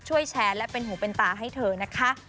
ช่วยแชร์และเป็นหูเป็นตาให้เธอนะคะ